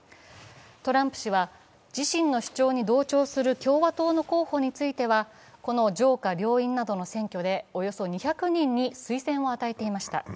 トランプ氏は自身の主張に同調する共和党の候補についてはこの上下両院などの選挙でおよそ２００人に推薦を与えていました。